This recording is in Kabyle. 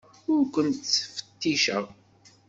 Ur ken-ttfetticeɣ.